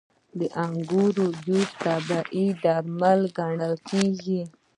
• د انګورو جوس طبیعي درمل ګڼل کېږي.